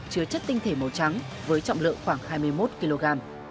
chứa chất tinh thể màu trắng với trọng lượng khoảng hai mươi một kg